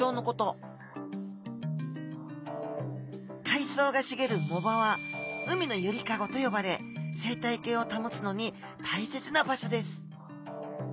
海藻がしげる藻場は海のゆりかごと呼ばれ生態系を保つのに大切な場所です。